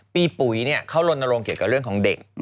ปีปุ๋ยเนี่ยเขารนโนโลงเกี่ยวกับเรื่องของเด็ก